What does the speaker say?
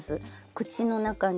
口の中に。